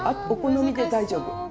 お好みで大丈夫。